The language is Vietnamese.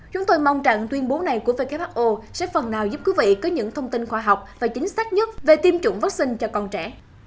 chúng tôi mong rằng tuyên bố này của who sẽ phần nào giúp quý vị có những thông tin khoa học và chính xác nhất về tiêm chủng vaccine cho con trẻ